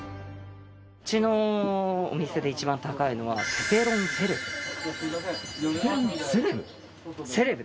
うちのお店で一番高いのはペペロンセレブ？